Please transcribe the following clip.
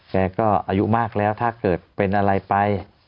แกก็อายุมากแล้วถ้าเกิดเป็นอะไรไป